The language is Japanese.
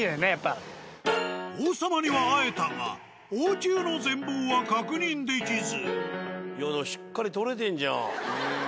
王様には会えたが王宮の全貌は確認できず。